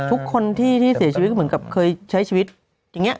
ทุกคนที่เสียชีวิตก็เหมือนกับเคยใช้ชีวิตอย่างนี้